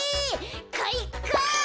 かいか！